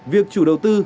việc chủ đầu tư